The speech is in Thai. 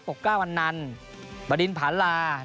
ปก๙วันนั้นบรรดินผันลา